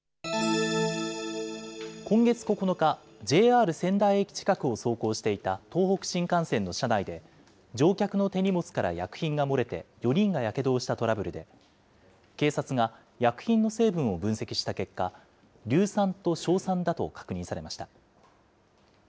今月９日、ＪＲ仙台駅近くを走行していた東北新幹線の車内で、乗客の手荷物から薬品が漏れて４人がやけどをしたトラブルで、警察が薬品の成分を分析した結果、硫酸と硝酸だと確認されました。